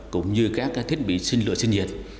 cũng như các thiết bị sinh lửa sinh nhiệt